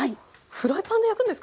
フライパンで焼くんですか？